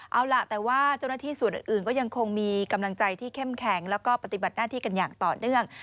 เอาล่ะแต่ว่าเจ้าหน้าที่ส่วนอื่นก็ยังคงมีกำลังใจที่เข้มแข็งแล้วก็ปฏิบัติหน้าที่กันอย่างต่อเนื่อง